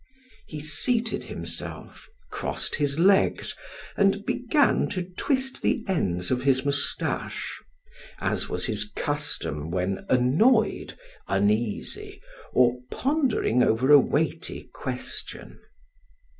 He seated himself, crossed his legs and began to twist the ends of his mustache, as was his custom when annoyed, uneasy, or pondering over a weighty question.